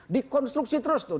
dikonstruksi terus tuh